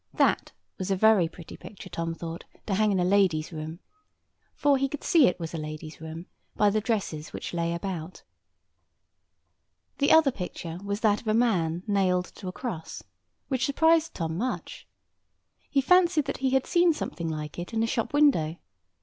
That was a very pretty picture, Tom thought, to hang in a lady's room. For he could see that it was a lady's room by the dresses which lay about. The other picture was that of a man nailed to a cross, which surprised Tom much. He fancied that he had seen something like it in a shop window.